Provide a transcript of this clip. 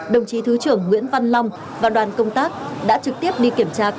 đồng chí thứ trưởng nguyễn văn long và đoàn công tác đã trực tiếp đi kiểm tra công tác